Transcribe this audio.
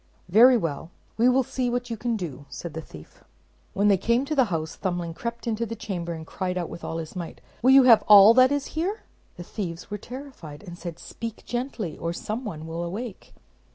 "Very well; we will see what you can do," said the thief. When they came to the house, Thumbling crept into the chamber, and cried out with all his might, "Will you have all that is here?" The thieves were terrified, and said, "Speak gently, or some one will awake."